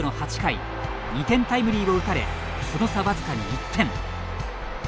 ２点タイムリーを打たれその差僅かに１点。